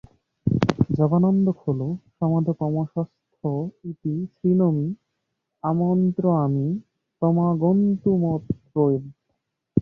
যোগানন্দ খলু সমধিকমস্বস্থ ইতি শৃণোমি আমন্ত্রয়ামি তমাগন্তুমত্রৈব।